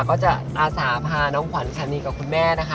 ก็จะอาสาพาน้องขวัญชานีกับคุณแม่นะคะ